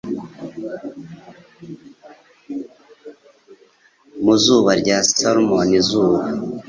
Mu zuba rya salmon izuba,